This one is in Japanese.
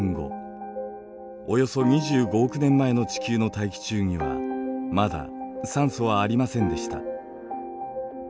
およそ２５億年前の地球の大気中にはまだ酸素はありませんでした。